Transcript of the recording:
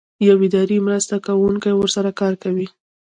یو اداري مرسته کوونکی ورسره کار کوي.